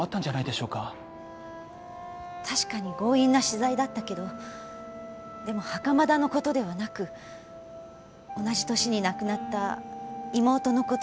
確かに強引な取材だったけどでも袴田のことではなく同じ年に亡くなった妹のことでしつこく取材を。